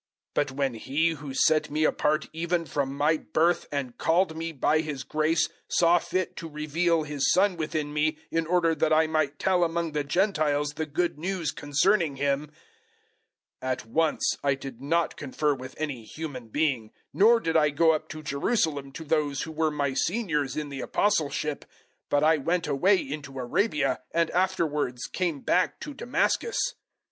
001:015 But when He who set me apart even from my birth, and called me by His grace, 001:016 saw fit to reveal His Son within me in order that I might tell among the Gentiles the Good News concerning Him, at once I did not confer with any human being, 001:017 nor did I go up to Jerusalem to those who were my seniors in the Apostleship, but I went away into Arabia, and afterwards came back to Damascus.